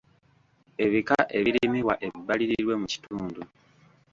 Ebika ebirimibwa ebbalirirwe mu kitundu.